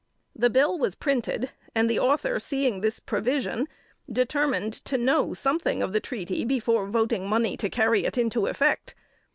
The bill was printed, and the Author seeing this provision, determined to know something of the treaty, before voting money to carry it into effect.